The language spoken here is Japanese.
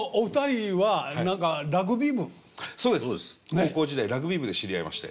高校時代ラグビー部で知り合いまして。